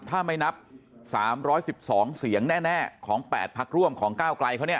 ถ้าไม่นับ๓๑๒เสียงแน่ของ๘พักร่วมของก้าวไกลเขาเนี่ย